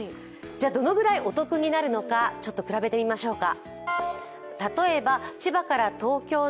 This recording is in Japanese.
どのぐらいお得になるのか比べてみましょうか。